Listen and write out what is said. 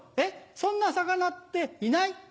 そんな魚っていない？